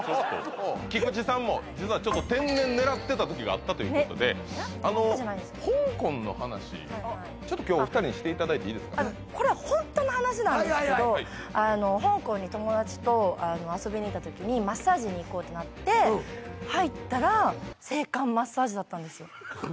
菊地さんも実はちょっと天然狙ってた時があったということで狙ったとかじゃないですけどちょっと今日お二人にしていただいていいですかこれはホントの話なんですけど香港に友達と遊びに行った時にマッサージに行こうってなって入ったらだったんですよ